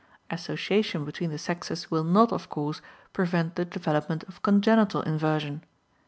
Association between the sexes will not, of course, prevent the development of congenital inversion.